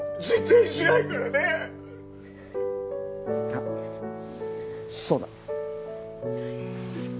あっそうだ。